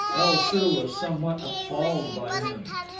El Soo was somewhat appalled by him.